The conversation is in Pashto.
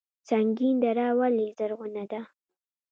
سنګین دره ولې زرغونه ده؟